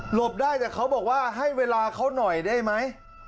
บได้แต่เขาบอกว่าให้เวลาเขาหน่อยได้ไหม